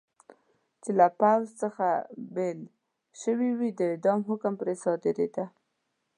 چې له پوځ څخه بېل شوي و، د اعدام حکم پرې صادرېده.